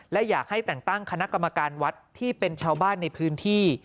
และอยากให้แต่งตั้งคณะกรรมการวัดที่เป็นชาวบ้านในพื้นที่